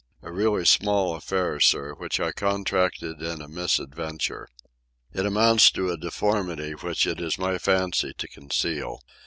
. a really small affair, sir, which I contracted in a misadventure. It amounts to a deformity, which it is my fancy to conceal.